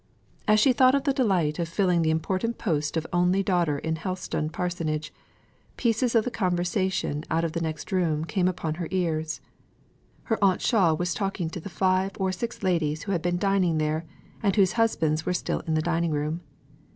As she thought of the delight of filling the important post of only daughter in Helstone parsonage, pieces of the conversation out of the next room came upon her ears. Her aunt Shaw was talking to the five or six ladies who had been dining there, and whose husbands were still in the dining room.